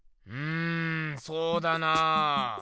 うんそうだな